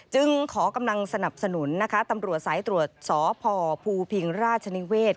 จึงขอกำลังสนับสนุนนะคะตำรวจสายตรวจสพภูพิงราชนิเวศ